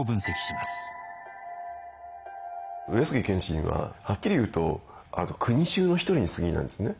上杉謙信ははっきり言うと国衆の１人にすぎないんですね。